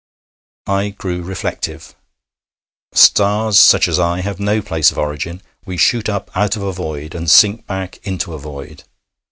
I grew reflective. Stars such as I have no place of origin. We shoot up out of a void, and sink back into a void.